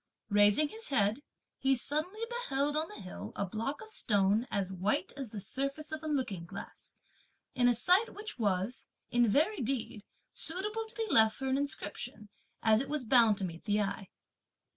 Raising his head, he suddenly beheld on the hill a block of stone, as white as the surface of a looking glass, in a site which was, in very deed, suitable to be left for an inscription, as it was bound to meet the eye.